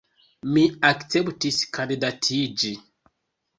Mi akceptis kandidatiĝi.